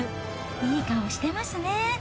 いい顔してますね。